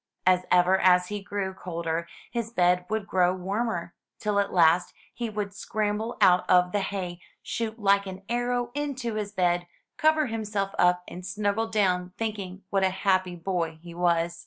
And ever as he grew colder, his bed would grow warmer, till at last he would scramble out of the hay, shoot like an arrow into his bed, cover himself up, and snuggle down, thinking what a happy boy he was.